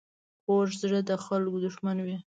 کوږ زړه د خلکو دښمن وي